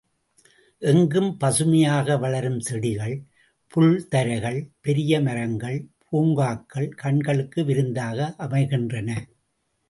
எங்கும் பசுமையாக வளரும் செடிகள், புல் தரைகள், பெரிய மரங்கள், பூங்காக்கள் கண்களுக்கு விருந்தாக அமைகின்றன.